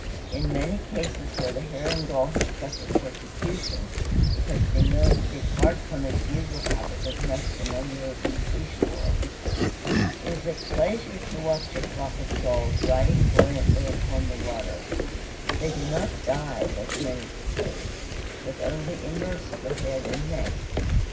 In many cases where the Herring Gull has suffered persecution, it has been known to depart from its usual habit of nesting on the open seashore. It is a pleasure to watch a flock of Gulls riding buoyantly upon the water. They do not dive, as many suppose, but only immerse the head and neck.